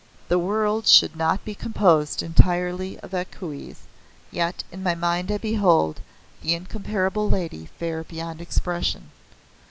"The world should not be composed entirely of A Kueis, yet in my mind I behold the Incomparable Lady fair beyond expression.